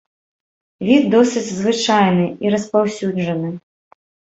Від досыць звычайны і распаўсюджаны.